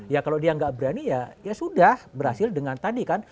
ya kalau dia nggak berani ya ya sudah berhasil dengan tadi kan